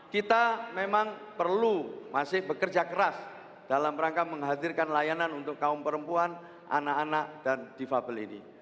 kita memang perlu masih bekerja keras dalam rangka menghadirkan layanan untuk kaum perempuan anak anak dan defable ini